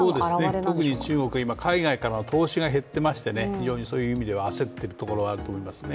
そうですね、特に中国は海外からの投資が減ってまして非常にそういう意味では焦っているところがあると思いますね。